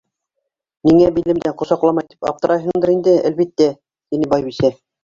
—Ниңә билемдән ҡосаҡламай тип аптырайһыңдыр инде, әлбиттә, —тине Байбисә.